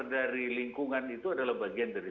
dari lingkungan itu adalah bagian dari